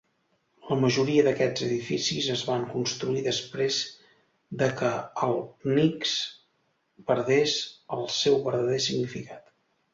La majoria d'aquests edificis es van construir després de que el Pnyx perdés el seu verdader significat.